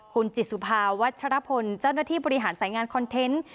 คุณจิตสุภาวัชรพลเจ้าหน้าที่บริหารสายงานคอนเทนต์